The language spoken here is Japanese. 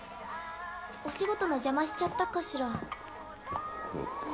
お仕事の邪魔しちゃったかしら。